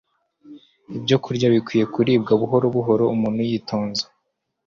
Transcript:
Ibyokurya bikwiriye kuribwa buhoro buhoro umuntu yitonze